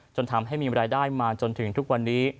จนทำให้มีรายได้มาจนถึงทุกวันนี้